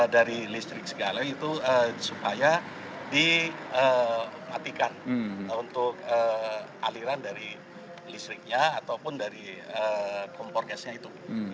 dari listrik segala itu supaya dimatikan untuk aliran dari listriknya ataupun dari kompor gasnya itu